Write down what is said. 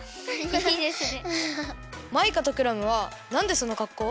いいですね。